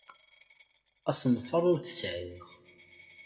Asenfaṛ ur t-sɛiɣ.